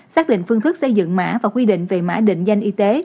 xác định phương thức xây dựng mã và quy định về mã định danh y tế